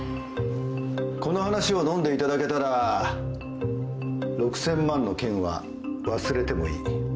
この話をのんでいただけたら６，０００万の件は忘れてもいい。